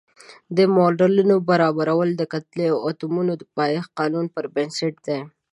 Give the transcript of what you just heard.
د معادلو برابرول د کتلې او اتومونو د پایښت قانون پر بنسټ دي.